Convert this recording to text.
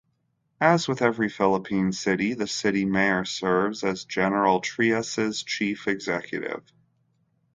As with every Philippine city, the city mayor serves as General Trias' chief executive.